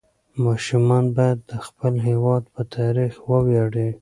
ماشومان باید د خپل هېواد په تاریخ وویاړي.